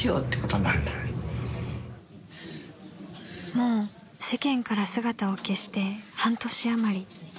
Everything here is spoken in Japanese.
［もう世間から姿を消して半年あまり］